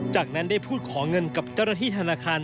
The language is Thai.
จากนั้นได้พูดขอเงินกับเจ้าหน้าที่ธนาคาร